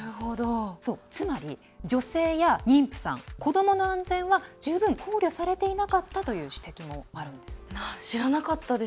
つまり、女性や妊婦さん子どもの安全が十分考慮されていなかったという視点があるんですね。